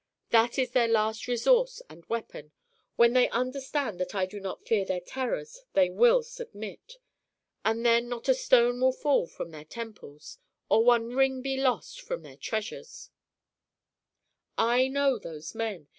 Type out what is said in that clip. That is their last resource and weapon. When they understand that I do not fear their terrors they will submit. And then not a stone will fall from their temples, or one ring be lost from their treasures. "I know those men!